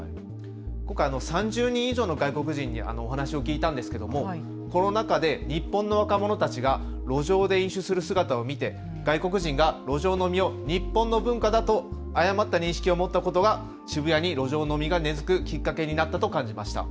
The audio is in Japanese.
今回、３０人以上の外国人にお話を聞いたんですがコロナ禍で日本の若者たちが路上で飲酒する姿を見て外国人が路上飲みを日本の文化だと誤った認識を持ったことが渋谷に路上飲みが根づくきっかけになったと感じました。